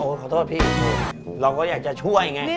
ขอโทษพี่เราก็อยากจะช่วยไง